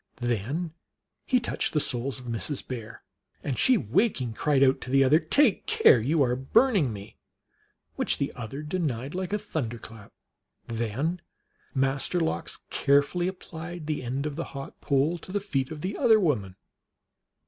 Then he touched the soles of Mrs. Bear ; and she, waking, cried out to the other, " Take care ! you are burning me !" which the other denied like a thunder clap. Then Master Lox carefully applied the end of the hot pole to the feet of the other woman.